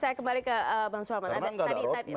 saya kembali ke bang suhaman